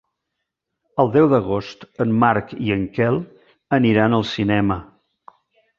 El deu d'agost en Marc i en Quel aniran al cinema.